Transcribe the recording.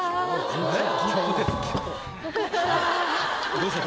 どうした？